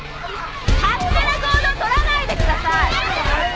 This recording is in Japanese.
勝手な行動取らないでください。